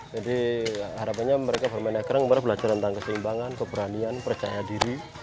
jadi harapannya mereka bermain egrang adalah belajar tentang kesimpangan keberanian percaya diri